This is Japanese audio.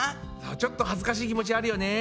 ちょっとはずかしい気持ちあるよね。